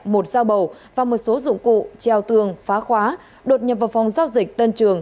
một dao bầu và một số dụng cụ treo tường phá khóa đột nhập vào phòng giao dịch tân trường